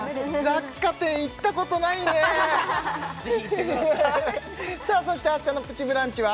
雑貨店行ったことないねぜひ行ってくださいさあそして明日の「プチブランチ」は？